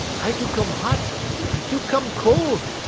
I do come hot, I do come cole.